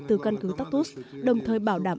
từ căn cứ taktus đồng thời bảo đảm